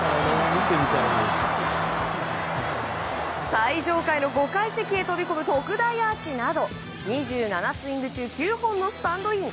最上階の５階席へ飛び込む特大アーチなど２７スイング中９本のスタンドイン。